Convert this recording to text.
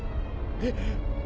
えっ！？